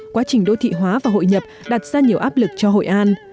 quá trình đô thị hóa và hội nhập đặt ra nhiều áp lực cho hội an